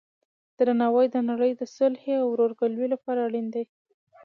درناوی د نړۍ د صلحې او ورورګلوۍ لپاره اړین دی.